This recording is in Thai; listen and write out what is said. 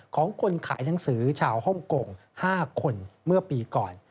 ของคนขายหนังสือชาวฮ่องกง๕คนเมื่อปีก่อน